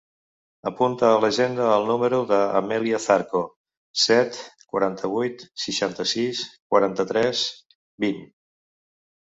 Apunta a l'agenda el número de l'Amèlia Zarco: set, quaranta-vuit, seixanta-sis, quaranta-tres, vint.